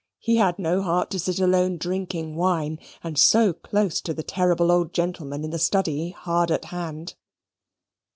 He had no heart to sit alone drinking wine, and so close to the terrible old gentleman in the study hard at hand.